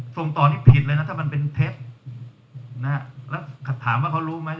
ส่งต่อนี่ผิดเลยนะถ้ามันเป็นเท็จนะฮะแล้วถามว่าเขารู้ไหม